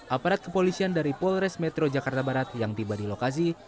aparat kepolisian dari polres metro jakarta barat yang tiba di lokasi